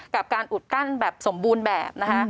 กับการอุดกั้นแบบสมบูรณ์แบบนะคะ